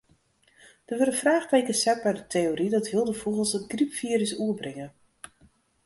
Der wurde fraachtekens set by de teory dat wylde fûgels it grypfirus oerbringe.